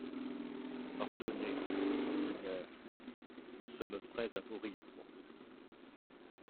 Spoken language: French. Ordonnez, monseigneur, nous sommes prêts à mourir pour vous.